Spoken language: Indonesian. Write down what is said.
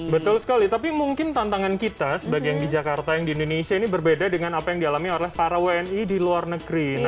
betul sekali tapi mungkin tantangan kita sebagai yang di jakarta yang di indonesia ini berbeda dengan apa yang dialami oleh para wni di luar negeri